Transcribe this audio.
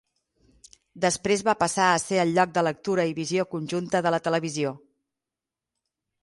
Després va passar a ser el lloc de lectura i visió conjunta de la televisió.